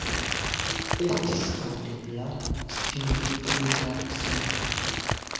Estis aŭdebla spinvibriga sono.